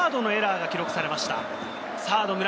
サードのエラーが記録されました。